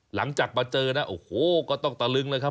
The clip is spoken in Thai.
หลังจากมาเจอนะโอ้โหก็ต้องตะลึงเลยครับ